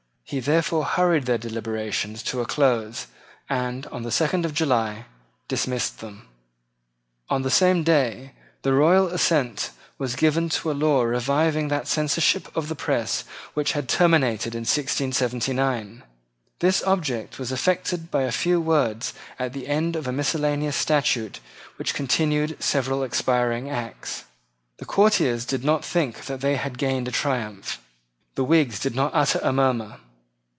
He therefore hurried their deliberations to a close, and, on the second of July, dismissed them. On the same day the royal assent was given to a law reviving that censorship of the press which had terminated in 1679. This object was affected by a few words at the end of a miscellaneous statute which continued several expiring acts. The courtiers did not think that they had gained a triumph. The Whigs did not utter a murmur.